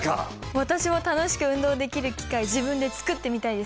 私も楽しく運動できる機械自分で作ってみたいです。